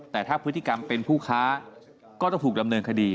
แต่ถ้าพฤติกรรมเป็นผู้ค้าก็ต้องถูกดำเนินคดี